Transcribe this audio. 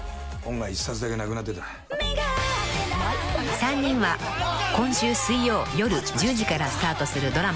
［３人は今週水曜夜１０時からスタートするドラマ